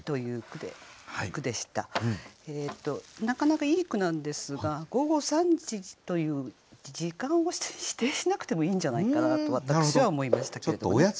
なかなかいい句なんですが「午後三時」という時間を指定しなくてもいいんじゃないかなと私は思いましたけれどもね。